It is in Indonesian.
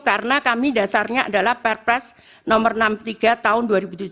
karena kami dasarnya adalah perpres nomor enam puluh tiga tahun dua ribu tujuh belas